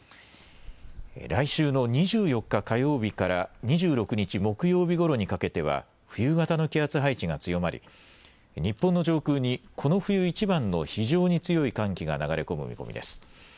来週の２４日火曜日から２６日木曜日ごろにかけては冬型の気圧配置が強まり日本の上空にこの冬いちばんの非常に強い寒気が流れ込む見込みです。